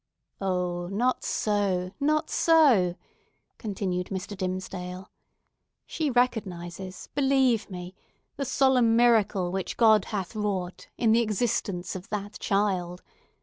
"Oh, not so!—not so!" continued Mr. Dimmesdale. "She recognises, believe me, the solemn miracle which God hath wrought in the existence of that child.